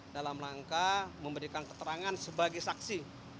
dalam rangka memberikan keterangan sebagai saksi